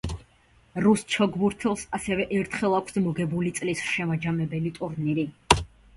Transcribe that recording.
რუს ჩოგბურთელს ასევე ერთხელ აქვს მოგებული წლის შემაჯამებელი ტურნირი.